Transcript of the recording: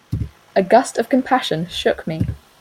A gust of compassion shook me.